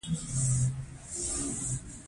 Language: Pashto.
د ښځو پر لباس او عادتونو سخت بندیزونه لګول کېږي.